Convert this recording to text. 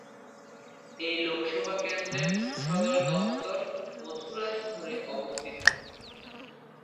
এই লোকসভা কেন্দ্রের সদর দফতর মথুরা শহরে অবস্থিত।